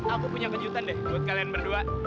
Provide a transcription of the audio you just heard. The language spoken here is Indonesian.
aku punya kejutan deh buat kalian berdua